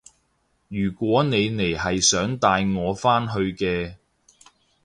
如果你嚟係想帶我返去嘅